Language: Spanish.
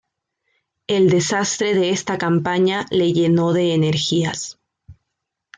El desastre de esta campaña le llenó de energías.